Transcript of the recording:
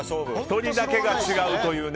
１人だけが違うという。